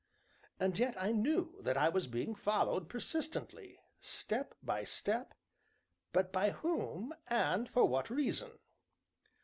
And yet I knew that I was being followed persistently, step by step, but by whom, and for what reason?